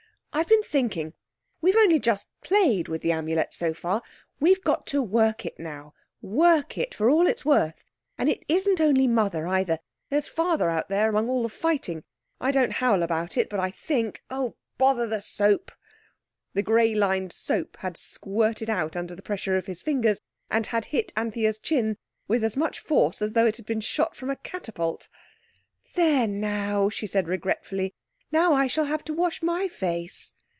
"I've been thinking. We've only just played with the Amulet so far. We've got to work it now—work it for all it's worth. And it isn't only Mother either. There's Father out there all among the fighting. I don't howl about it, but I think—Oh, bother the soap!" The grey lined soap had squirted out under the pressure of his fingers, and had hit Anthea's chin with as much force as though it had been shot from a catapult. "There now," she said regretfully, "now I shall have to wash my face."